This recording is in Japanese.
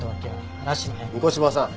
御子柴さん！